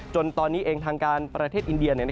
จนตอนนี้เองทางการประเทศอินเดีย